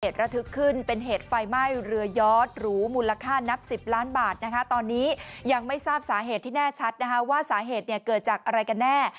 ระทึกขึ้นเป็นเหตุไฟไหม้เรือยอดหรูมูลค่านับ๑๐ล้านบาทนะคะตอนนี้ยังไม่ทราบสาเหตุที่แน่ชัดนะคะว่าสาเหตุเนี่ยเกิดจากอะไรกันแน่